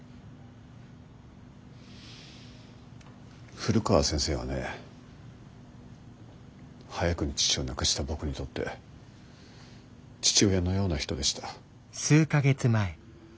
古川先生はね早くに父を亡くした僕にとって父親のような人でした。